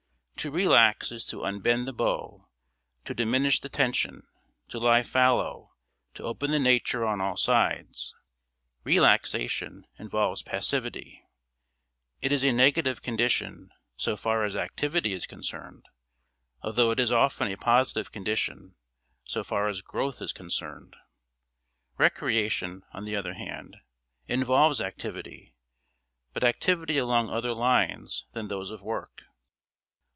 To relax is to unbend the bow, to diminish the tension, to lie fallow, to open the nature on all sides. Relaxation involves passivity; it is a negative condition so far as activity is concerned, although it is often a positive condition so far as growth is concerned. Recreation, on the other hand, involves activity, but activity along other lines than those of work.